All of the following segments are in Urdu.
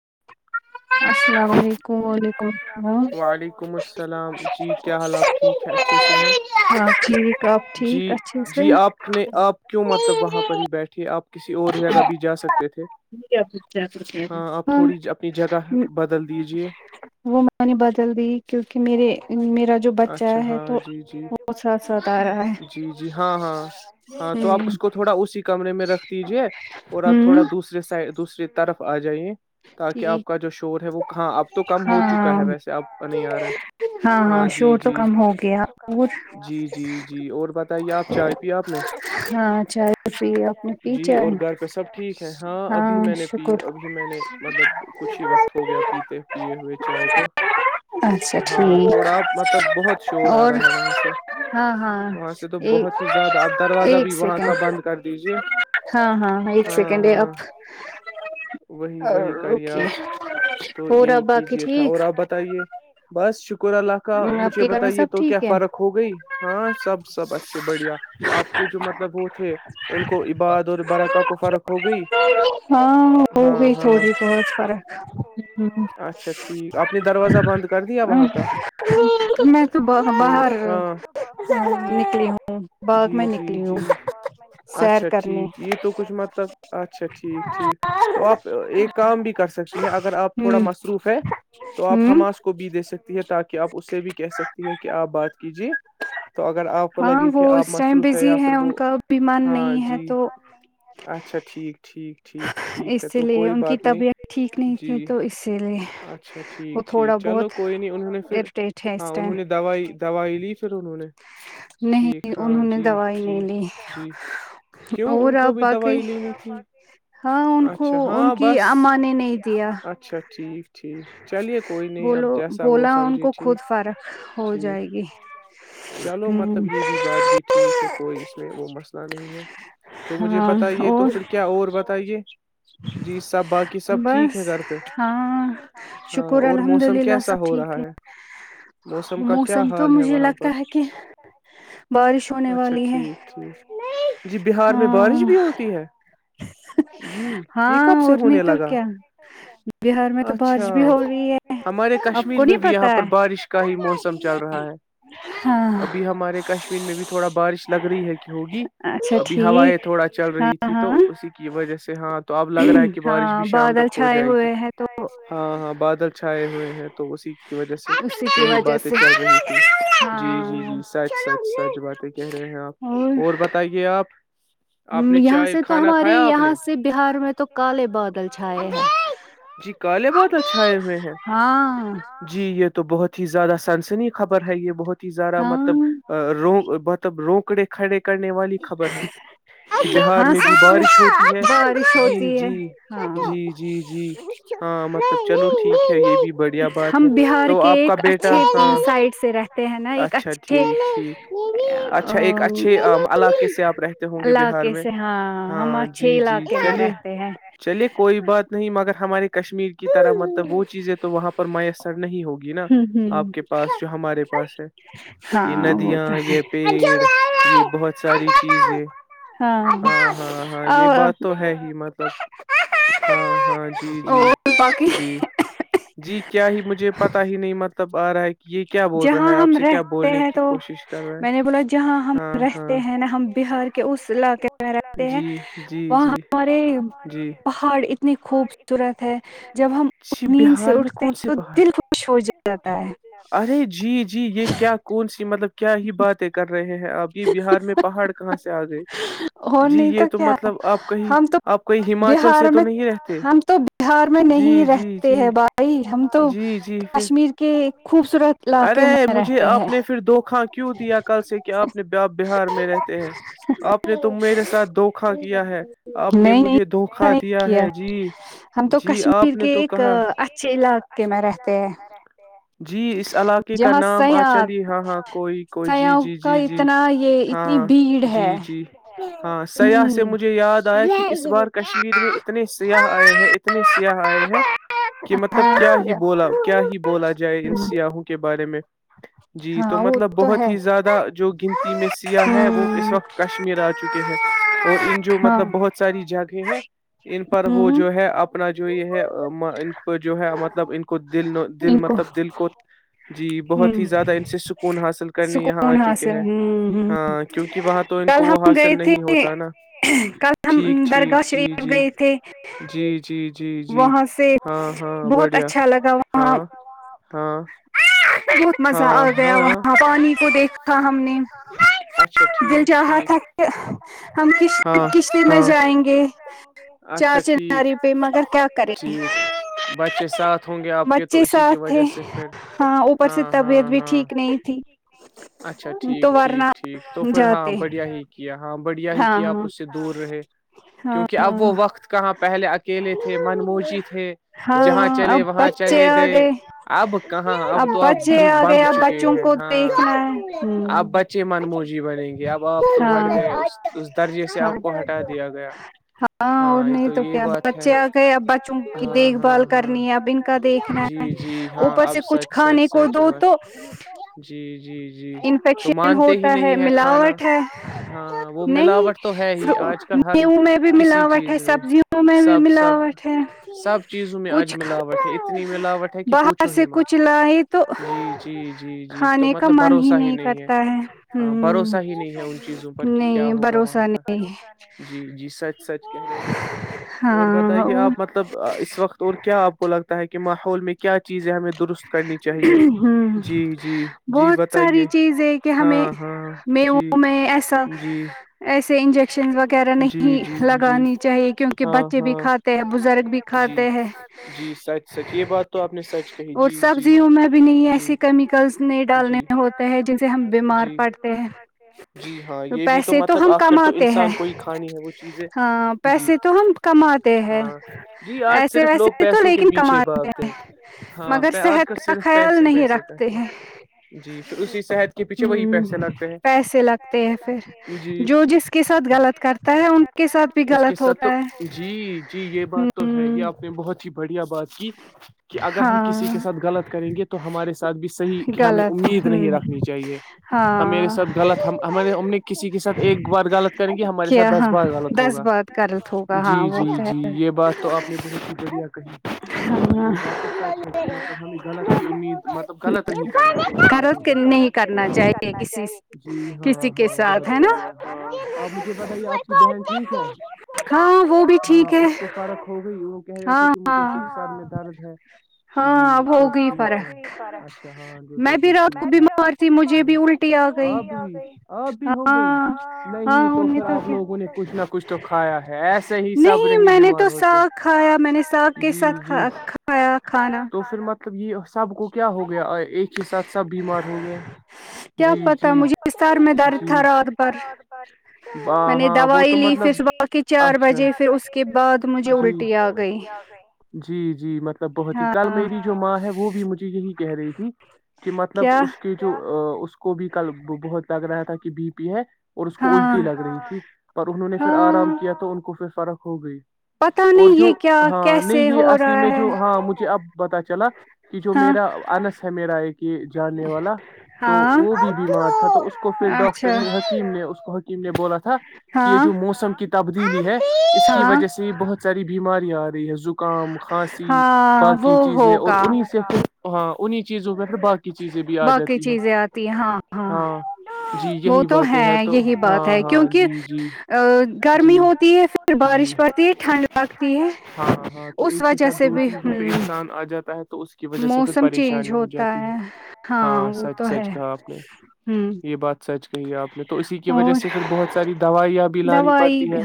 جی [unintelligible] وعلیکم السلام جی کیا حال آپ ٹھیک ہے اچھے سے ہیں جی جی آپ نے آپ کیوں مطلب وہاں پر ہی بیٹھی کسی اور جگہ بھی جا سکتے تھے ہاں آپ تھوڑی اپنی جگہ بدل دیجے وہ میں نے بدل دی کیونکہ میرے میرا جو بچہ ہے تو وہ ساتھ ساتھ آ رہا ہے ہ میں رکھ دیجیے اور آپ تھوڑا دوسرے سائ دوسری طرف آ جائیے تاکہ آپ کا جو شور ہے وہ ہاں اب تو کم ہو چکا ہے ویسے آپ نہیں آ رہے ہاں جی جی جی جی جی اور بتائیے آپ چائے پی آپ نے جی اور گھر پہ سب ٹھیک ہے ہاں ابھی میں نے پی ابھی میں نے مطلب کچھ ہی وقت ہو گیا پیتے پی ہوئے چائے کو ہاں تھوڑا مطلب بہت شور آ رہا ہے وہاں سے وہاں سے تو بہت ہی زیادہ آپ دروازہ بھی وہاں کا بند کر دیجیے ہاں ہاں وہی اور رکیے اور آپ باقی ٹھیک تھا اور آپ بتائیے بس شک شکر اللہ کا مجھے بتائی یہ تو کیا فرق ہو گئی ہاں سب سب اچھے بڑھیا آپ کے جو مطلب وہ تھے ان کو عباد اور برکا کو فرق ہو گئی ہاں ہاں اچھا اچھا اپپ نے دروازہ بند کر دیا وہاں کا میں تو باہر نکلی ہوں جی جی جی اچھا ٹھیک یہ تو کچھ مطلب اچھا ٹھیک ٹھیک تو آپ ایک کام بھی کر سکتی ہیں اگر آپ تھوڑا مصروف ہے تو آپ حماس کو بھی دے سکتی ہے تاکہ آپ اس سے بھی کہہ سکتی ہیں کہ آپ بات کیجیے تو اگر آپ کو لگے اس ٹائم بزی ہے ان کا بھی من نہیں ہے تو اسی لیے ان کی طبیعت ٹھیک نہیں تھی تو اسی لیے وہ تھوڑا بہت پھر ہاں انہوں نے دوائی دوائی لی پھر انہوں نے نہیں انہوں نے دوائی نہیں لی اور اپ باقی ہاں ان کو ان کی اماں نے نہیں دیا بولو بولا ان کو خود فرق ہو جائے گی یہ بھی بات بھی ٹھیک ہے کوئی اس میں وہ مسئلہ نہیں ہے تو مجھے بتائیے تو پھر کیا اور بتائیے بس ہاں شکر الحمد للہ سب ٹھیک ہے موسم تو مجھے لگتا ہے کہ اچھا ٹھیک ٹھیک جی بہار میں بارش بھی ہوتی ہے جی ہاں اور نہیں تو کیا بہار میں تو بارش بھی ہو رہی ہے آپ کو نہیں پتا ہے ہاں کشمیر میں بھی تھوڑا بارش لگ رہی ہے کہ ہوگی ابھی ہوائیں تھوڑا چل رہی تھی تو اسی کی وجہ سے ہاں تو اب لگ رہا ہے کہ بارش بھی شام تک ہو جائے گی ہاں ہاں بادل چھائے ہوئے ہیں تو اسی کی وجہ سے یہی باتیں چل رہی تھی جی جی جی س سچ سچ باتیں کہہ رہے ہیں آپ اور بتائیے آپ یہاں سے تو ہمارے یہاں سے بہار میں تو کالے بادل چھائے ہیں ہاں ہی زیادہ سنسنی خبر ہے یہ بہت زارا مطلب ملب روکڑے کھڑے کرنے والی خبر ہے کہ بہار میں بھی بارش ہوتی ہے جی جی جی جی جی ہاں مطلب چلو ٹھیک ہے یہ بھی بڑھیا بات ہے تو آپ کا بیٹا ہاں اچھا ٹھیک ٹھیک اچھا ایک اچھھی علاقے سے آپ رہتے ہوں گے بہار میں ہاں جی جی چلیے چلیے کوئی بات نہیں مگر ہمارے کشمیر کی طرح مطلب وہ چیزیں تو وہاں پر میسر نہیں ہوگ گی نا آپ کے پاس جو ہمارے پاس ہے یہ ندی اں یہ پیڑ یہ بہت ساری چیزیں ہاں ہاں ہاں یہ بات تو ہے ہی مطلب ہاں ہاں جی جی جی جی کیا ہی مجھے پتا ہی نہیں مطلب آ رہا ہے یہ کیا بول رہا ہے آپ سے کیا بولنے کی میں نے بولا جہاں ہم رہتے ہیں نا ہم بہار کے اس علاقے میں رہتے ہیں وہاں ہمارے پہاڑ اتنی خوبصورت ہے جب ہم نیند سے اٹھتے ہیں تو دل خوش ہو جاتا ہے ارے جی جی یہ کیا کون سی کیا ہی باتیں کر رہے ہیں آپ بہار میں پہاڑ کہاں سے آ گئے جی یہ تو مطلب آپ کہیں آپ کہیں ہمماچل سے تو ہم تو بہار میں نہیں رہتے ہیں بھائی ہم تو کشمیر کے خوبصورت علاقے میں رہتے ہیں آپ بہار میں رہتے ہیں آپ نے تو میرے ساتھ دھوکا کیا ہے آپ نے مجھے دھوکا دیا [unintelligible] ہم تو کشمیر کے ایک اچھے علاقے میں رہتے ہیں [unintelligible] جی اس علاقے کا نام آ چلی ہاں ہاں کوئی کوئی جی جی جی جی ہاں جی جی ہاں سیاح سے مجھے یاد آیا کہ اس بار کشمیر [unintelligible] میں اتنے سیاہ آئے ہیں اتنے سیاہ آئے ہیں کہ مطلب کیا ہی بولا کیا ہی بولا جائے [unintelligible] ان سیاحوں کے بارے میں [unintelligible] جی تو مطلب بہت ہی زیادہ جو گنتی میں سیاح ہے وہ اس وقت کشمیر آ چکے ہیں اور ان جو مطلب بہت ساری جگہیں ہیں [unintelligible] پر وہ جو ہے اپ [unintelligible] اپنا جو یہ ہے ان کو جو ہے مطلب ان کو دل دل مطلب دل کو جی بہت ہی زیادہ ان سے سکون حاصل کرنے یہاں آ چکے ہیں ہاں کیونکہ وہاں تو ان کو وہ حاصل نہیں ہوتا نا ٹھیک ٹھیک جی جی [unintelligible] اتے [unintelligible] جی جی ہاں ہاں بڑھیا ہاں [unintelligible] ہاں [unintelligible] بہت مزہ آ گیا وہاں پانی کو دیکھ [unintelligible] ا ہم نے [unintelligible] دل چاہا تھا کہ ہم کس کشتی میںر جائیں گے [unintelligible] اچھا ٹھیک ٹھیک بچے ساتھ ہوں گے آپ کے تو اسی کی وجہ سے [unintelligible] ہاں ہاں ہاں اچھا ٹھیک ٹھیک ٹھیک تو پھر ہاں بڑھیا ہی کیا ہاں [unintelligible] بڑھیا ہی کہ آپ اس سے دور رہے کیونکہ [unintelligible] کہ اب وہ وقت کہاں پہلے اکیلے تھے منموجی تھے جہاں چلے وہاں چلے گئے اب کہاں اب تو آپ ب بندھ چکے ہیں ہاں اب بچے منموجی بنیں گے اب آپ تو ہٹ گئے اس [unintelligible] اس درجے سے آپ کو ہٹا دیا گیا [unintelligible] ہاں اور نہیں تو کیا بچے آ گئے ا بچوں کی دیکھ بھال کرنی ہے اب ان کا دیکھنا ہے اوپر سے کچھ کھانے کو دو تو [unintelligible] انفیکشن ہوتا ہے ملاوٹ ہے نہیں نیہ میں بھی [unintelligible] ملاوٹ ہے سبزیوں میں بھی ملاوٹ ہے کچھ ک باہر سے کچھ لائے تو کھانے کا من [unintelligible] ہی نہیں ہے بھروسہ ہی نہیں ہے ان چیزوں پر کہ کیا ہوگا وہاں پر جی جی سچ [unintelligible] سچ کہہ رہے ہیں آپ اور بتائیے آپ مطلب اس وقت اور کیا آپ کو لگتا ہے کہ ماحول میں کیا چیزیں ہمیں درست کرنی چاہیے جی جی جی ب [unintelligible] ساری چیزیں کہ ہمیں م میں ایسا ایسے انجیکشن وغیرہ نہیں [unintelligible] انی چاہیے کیونکہ بچے بھی کھاتے ہیں بزرگ بھی کھاتے ہیں اور سبزیوں میں بھی نہیں ایسی کیمیکلس نہیں ڈالنے جی بیار پ جی ہاں یہ بھی تو مطلب آخر تو انسان کو ہی کھانی ہے وہ چیزیں پیسے تو ہم کماتے ہیں ایسے ویسے تو لیکن کماتے ہیں مگر صحت کا خیال نہیں رکھتے ہیں ہ پیسے لگتے ہیں پھر جو جس کے ساتھ غلط کرتا ہے ان اس کی ست جی جی یہ بات تو ہے یہ آپ نے بہت ہی بڑھیا بات کی کہ اگر ہم کسی کے ساتھ غلط کریں گے تو ہمارے ساتھ بھی صح امید نہیں رکھنی چاہیے ہمارے ساتھ غلط ہم ہم کسی کے ساتھ ایک بار غلط کریں گے ہمارے ساتھ دس بار غلط جی جی جی یہ بات تو آپ نے بہت شکرییا کہی ہاں یہ بات تو سچ ہے کہ مطلب ہمیں غلط کی امید مطلب غلط نہیں کرنا ہےنا چاہیے جی ہاں ہاں بہت بڑ آپ مجھے بتائیے آپ کی بہن ٹھیک ہے ہاں اس کو پرکھ ہو گئی کہہ رہے تھے کہ مجھے شکشر میں درد ہے جی ہاں گئی فرق اچاں جو میں بھی رات کو مار مجھ اب بھی ہو گئی نہیں تو پھر آپ لوگوں نے کچھ نہ کچھ تو کھایا ہے ایسے ہی سب نہیں بیمار ہوتے جی جی کھایا تو پر میں مطلب یہ [unintelligible] سب کو کیا ہو گیا ایک ہی ساتھ سب بیمار ہو گئے جی جی جی ہاں وہ لی پھر صبح کے چار بجے پھر اس کے بعد مجھے الٹی آ گئی بہت ہی کل میری جو ماں ہے وہ بھی مجھے یہی کہہ رہی تھی کہ مطلب اس کے جو کو بھی کل بہت لگ رہا تھا کہ بی پی ہے اور اس کو الٹی لگ رہی تھی انہوں نے پھر آرام کیا تو ان کو قوفے فرق ہو گئی اور جو ہاں نہیں یہ اصلی میں جو ہاں مجھے اب پتا چلا کہ جو میرا انس ہے میرا ایک کہ جانے والا تو وہ بھی بیمار تھا تو اس کو پھر ڈاکٹر نے حکیم نے اس کو م نے بولا تھا کہ یہ جو موسم کی تبدیلی ہے اس کی وجہ سے یہ بہت ساری بیماریاں آ رہی ہے زکام کھانسی باقی چیزیں اور انہیں سے انہیں چیزوں پہ پھر باقی چیزیں بھی آ جاتی ہے ہاں جی یہی باتیں ہیں تو ہاں ہاں جی ا گرمی ہوتی ہے پھر بارش پڑتی ہے ٹھنڈ لگتی ہے اس وجہ سے بھی ہ موسم چینج ہوتا ہے ہاں وہ تو ہے ہ کہی آپ نے تو اسی کی وجہ سے پھر بہت ساری دوائیاں بھی لانی پڑتی ہے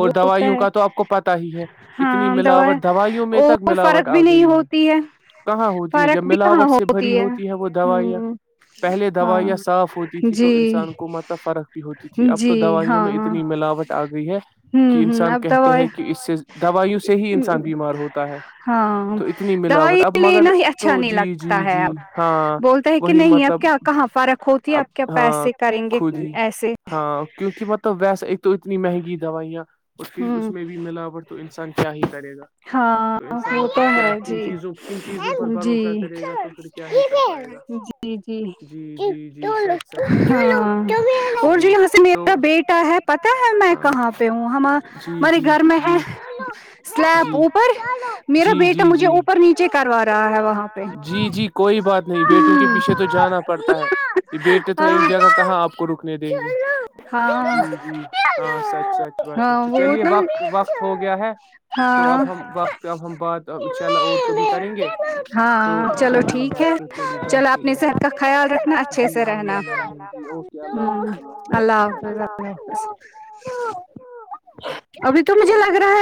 اور دوائیوں کا تو آپ کو پتا ہی ہے اتنی ملاوٹ دوائیوں میں تک ملاوٹ آ گئی ہے کہاں ہوتی ہے جب ملاوٹ سے بھری ہوتی ہے وہ دوائیاں پہلے دوائیاں صاف ہوتی تھی انسان کو مطلب فرق بھی ہوتی تھی اب تو دوائ میں اتنی ملاوٹ آ گئی ہے کہ انسان کہتے ہے کہ اس سے دوائیوں سے ہی انسان بیمار ہوتا ہے تو اتنی ملاوٹ اب مگر تو جی جی جی ہاں وہی مطلب اب ہاں خود ہی ہاں کیونکہ ب تو ویسے تو اتنی مہنگی دوائیاں اور پھر اس میں بھی ملاوٹ تو انسان کیا ہی کرے گا تو انسان مطلب کیا کن چیزوں کن چیزوں پر بھروسہ کرے گا تو پھر کیا ہی کر پائے گا جی جی جی سچ سچ کہہ رہے ہیں آپ جی تو پتاہ ہے میں کہاں پہ ہوں ہمار مارے گھر میں ہے سلیب اوپر میرا بیٹا مجھے اوپر نیچے کروا رہا ہے وہاں پہ ہاں جی جی ہاں سچ سچ بات چلیے وقت وقت ہو گیا ہے تو اب ہم وقت اب ہم بات ان شاء اللہ اور کبھی کریں گے تو چلیے چلی جیحمد اوکے اللہ ا [inaudible] حافظ ال ابھی تو مجھے لگ رہا ہے